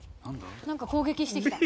何か攻撃してきた。